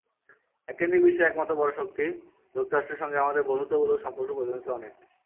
এককেন্দ্রিক বিশ্বের একমাত্র পরাশক্তি যুক্তরাষ্ট্রের সঙ্গে আমাদের বন্ধুত্বমূলক সম্পর্কের প্রয়োজনীয়তা অনেক।